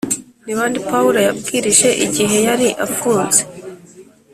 Ni bande Pawulo yabwirije igihe yari afunze?